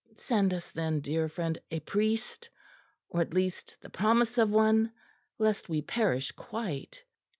Send us then, dear friend, a priest, or at least the promise of one; lest we perish quite."